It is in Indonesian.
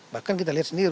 bahkan kita lihat sendiri